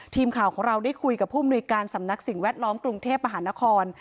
ทีมข่าวของเราได้คุยกับผู้มนุยการสำนักสิ่งแวดล้อมกรุงเทพมหานคร